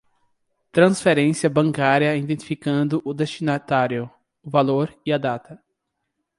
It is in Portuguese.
Transferência bancária identificando o destinatário, o valor e a data.